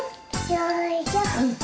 よいしょ。